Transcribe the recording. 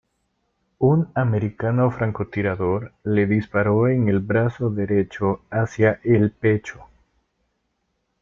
Un americano francotirador le disparó en el brazo derecho hacia el pecho.